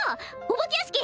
お化け屋敷！